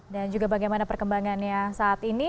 dan juga bagaimana perkembangannya saat ini